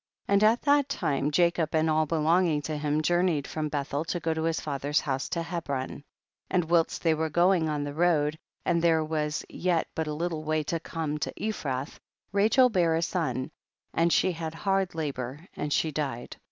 9. And at that time Jacob and all belonging to him journeyed from Bethel to go to his father's house, to Hebron. 10. And whilst they were going on the road, and there was yet but a little way to come to Ephrath, Rachel bare a son and she had hard labour and she died.